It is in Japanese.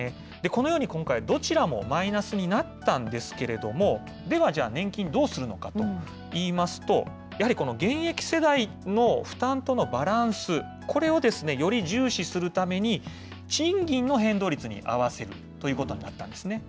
このように今回、どちらもマイナスになったんですけれども、ではじゃあ、年金どうするのかと言いますと、やはりこの現役世代の負担とのバランス、これをより重視するために、賃金の変動率に合わせるということになったんですね。